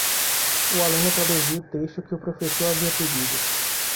O aluno produziu o texto que o professor havia pedido.